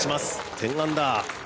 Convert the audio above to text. １０アンダー。